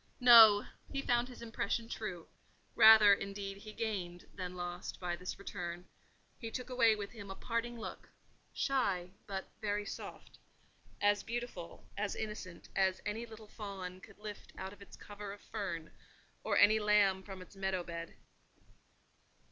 No! he found the impression true—rather, indeed, he gained than lost by this return: he took away with him a parting look—shy, but very soft—as beautiful, as innocent, as any little fawn could lift out of its cover of fern, or any lamb from its meadow bed.